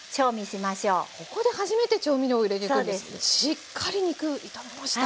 しっかり肉炒めました。